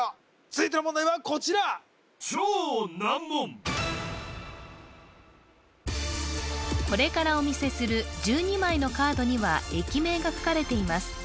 続いての問題はこちらこれからお見せする１２枚のカードには駅名が書かれています